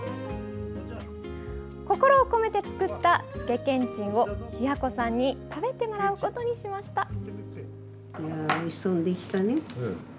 心を込めて作ったつけけんちんをひや子さんに食べてもらうことにしました。